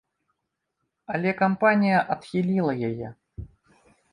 Але кампанія адхіліла яе.